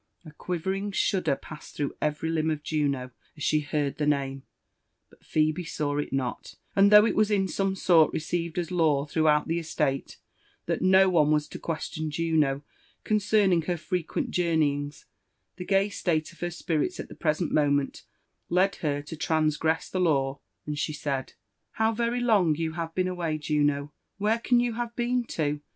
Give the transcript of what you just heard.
A quivering shudder passed through every limb of Juno as she heard the name ; but Phebe saw it not, and though it was in some sort received as law throughout the estate that no one was to question Juno concerning her frequent journeyings, the gay state of her spirits at the present moment led her to transgress the law, and she said, "How very long you have been away, Juno I — ^Where can you have been to